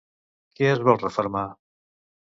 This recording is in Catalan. Què es vol refermar?